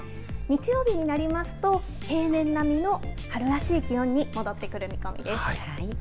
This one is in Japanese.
日曜日になりますと、平年並みの春らしい気温に戻ってくる見込みです。